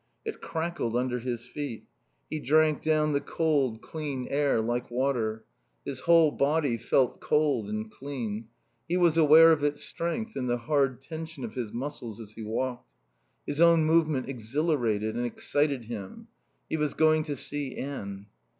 It crackled under his feet. He drank down the cold, clean air like water. His whole body felt cold and clean. He was aware of its strength in the hard tension of his muscles as he walked. His own movement exhilarated and excited him. He was going to see Anne.